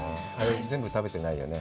全部、食べてないよね？